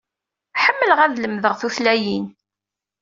Ḥemmleɣ ad lemdeɣ tutlayin.